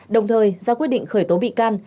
đồng thời ra quyết định khởi tố bị can